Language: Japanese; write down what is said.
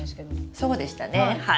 そうでしたねはい。